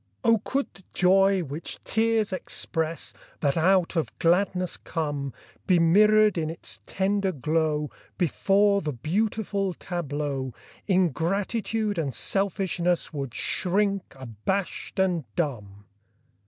Oh, could the joy which tears express That out of gladness come Be mirrored in its tender glow, Before the beautiful tableau Ingratitude and selfishness Would shrink abashed and dumb!